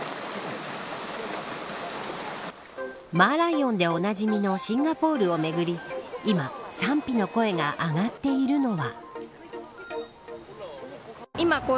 マーライオンでおなじみのシンガポールをめぐり今賛否の声が上がっているのは。